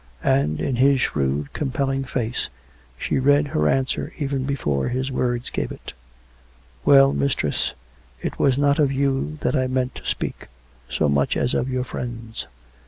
And, in his shrewd, compelling face, she read her answer even before his words gave it. " Well, mistress ; it was not of you that I meant to speak — so much as of your friends.